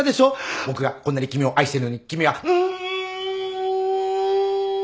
「僕がこんなに君を愛しているのに君はん！」